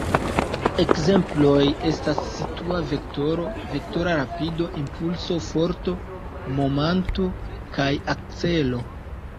Ekzemploj estas situa vektoro, vektora rapido, impulso, forto, momanto kaj akcelo.